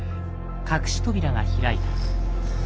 隠し扉が開いた。